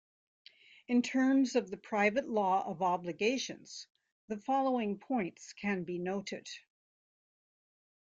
In terms of the private law of obligations, the following points can be noted.